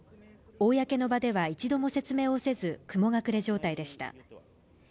公の場では一度も説明をせず、雲隠れ状態でした。